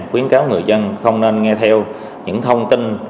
khuyến cáo người dân không nên nghe theo những thông tin